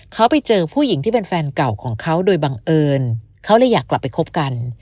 เขาไปเจอผู้หญิงที่เป็นแฟนเก่าของเขาโดยบังเอิญเขาเลยอยากกลับไปคบกัน